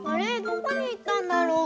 どこにいったんだろう？